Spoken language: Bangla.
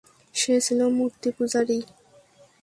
সে ছিল মূর্তিপূজারী।